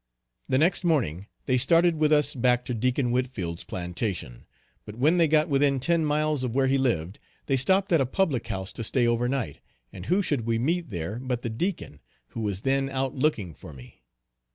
The next morning they started with us back to Deacon Whitfield's plantation; but when they got within ten miles of where he lived they stopped at a public house to stay over night; and who should we meet there but the Deacon, who was then out looking for me.